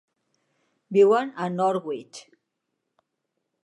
Viuen a Norwich.